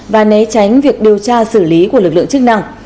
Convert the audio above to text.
và né tránh việc điều tra xử lý của lực lượng chức năng